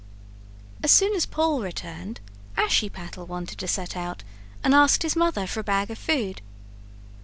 As soon as Paul returned, Ashiepattle wanted to set out and asked his mother for a bag of food.